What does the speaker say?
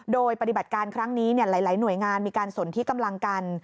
โดยปฏิบัติการครั้งนี้หลายหน่วยงานมีการสนที่กำลังกัน